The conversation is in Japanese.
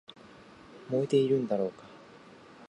燃えているんだろうか